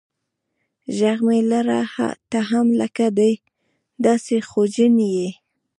ږغ مه لره ته هم لکه دی داسي خوجن یې.